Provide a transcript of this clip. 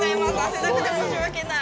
汗だくで申し訳ない。